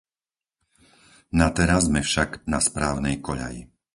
Nateraz sme však na správnej koľaji.